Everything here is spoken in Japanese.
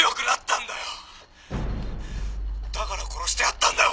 だから殺してやったんだよ！